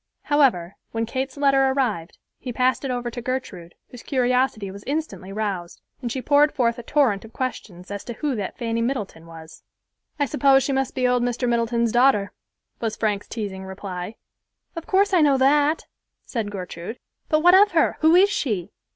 How ever, when Kate's letter arrived, he passed it over to Gertrude, whose curiosity was instantly roused, and she poured forth a torrent of questions as to who that Fanny Middleton was. "I suppose she must be old Mr. Middleton's daughter," was Frank's teasing reply. "Of course I know that," said Gertrude, "but what of her? who is she?"